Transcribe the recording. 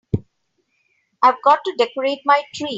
I've got to decorate my tree.